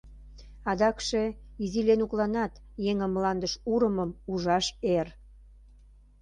Адакше изи Ленукланат еҥым мландыш урымым ужаш эр.